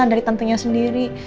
itu dari tante nya sendiri